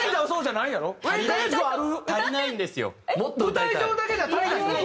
舞台上だけじゃ足りない？